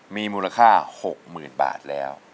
มีมูลค่า๖๐๐๐บาทแล้ว